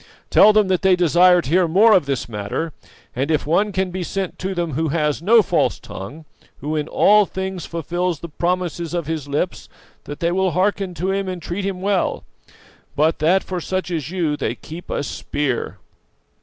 Tell them that they desire to hear more of this matter, and if one can be sent to them who has no false tongue; who in all things fulfills the promises of his lips, that they will hearken to him and treat him well, but that for such as you they keep a spear.